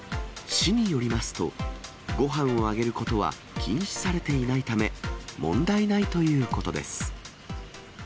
市によりますと、ごはんをあげることは禁止されていないため、問題ないということです。